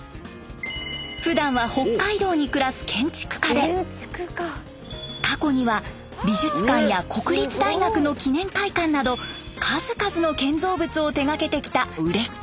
ふだんは北海道に暮らす建築家で過去には美術館や国立大学の記念会館など数々の建造物を手がけてきた売れっ子。